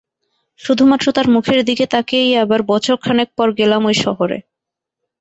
শুধুমাত্র তার মুখের দিকে তাকিয়েই আবার বছরখানেক পর গেলাম ঐ শহরে।